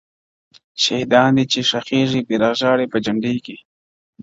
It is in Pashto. شهیدان دي چي ښخیږي بیرغ ژاړي په جنډۍ کي.!